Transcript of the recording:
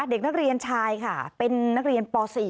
เด็กนักเรียนชายค่ะเป็นนักเรียนป๔